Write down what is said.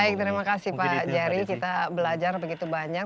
baik terima kasih pak jerry kita belajar begitu banyak